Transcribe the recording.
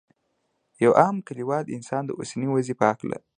یو عام کلیوال انسان یې د اوسنۍ وضعې په هکله لري.